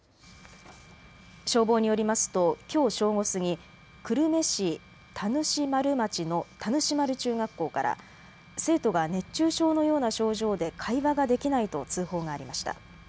消防によりますときょう正午過ぎ、久留米市田主丸町の田主丸中学校から生徒が熱中症のような症状で会話ができないと通報がありました。